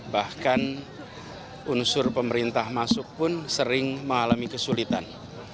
bahkan unsur pemerintah masuk pun sering mengalami kesulitan